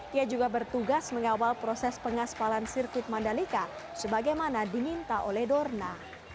dia juga bertugas mengawal proses pengaspalan sirkuit mandalika sebagaimana diminta oleh dorna